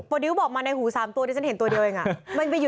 พอดิวบอกมาในหูสามตัวแต่ฉันเห็นตัวเดียวเองอ่ะมันไปอยู่ตรงไหนเนี่ย